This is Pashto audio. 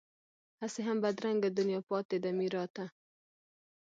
هسې هم بدرنګه دنیا پاتې ده میراته